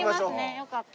よかった。